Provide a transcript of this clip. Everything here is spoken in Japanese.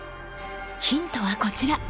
ヒントはこちら。